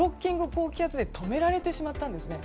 高気圧に止められてしまったんですね。